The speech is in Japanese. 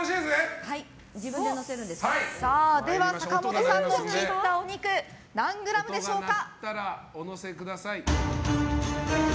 では、坂本さんの切ったお肉何グラムでしょうか。